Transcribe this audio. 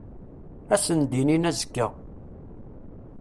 Ad sen-d-inin azekka.